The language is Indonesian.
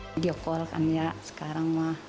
video call kan ya sekarang mah